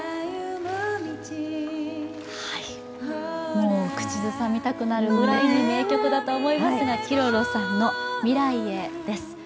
もう口ずさみたくなるぐらいに名曲だと思いますがＫｉｒｏｒｏさんの「未来へ」です。